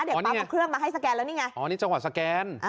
ปั๊มเอาเครื่องมาให้สแกนแล้วนี่ไงอ๋อนี่จังหวะสแกน